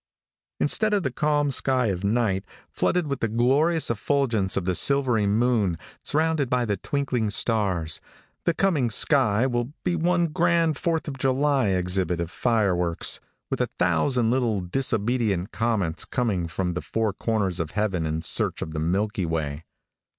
Instead of the calm sky of night, flooded with the glorious effulgence of the silvery moon, surrounded by the twinkling stars, the coming sky will be one grand Fourth of July exhibit of fireworks, with a thousand little disobedient comets coming from the four corners of heaven in search of the milky way.